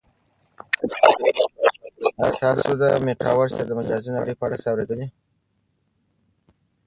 آیا تاسو د میټاورس یا د مجازی نړۍ په اړه څه اورېدلي؟